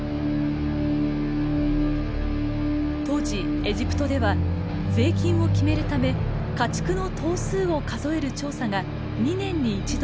当時エジプトでは税金を決めるため家畜の頭数を数える調査が２年に１度行われていました。